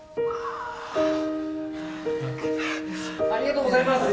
ありがとうございます